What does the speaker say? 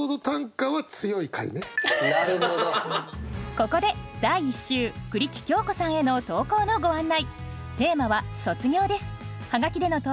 ここで第１週栗木京子さんへの投稿のご案内。